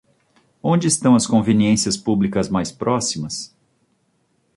Onde estão as conveniências públicas mais próximas?